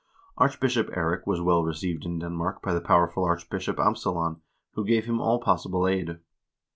Archbishop Eirik was well received in Denmark by the powerful Archbishop Absalon, who gave him all possible aid.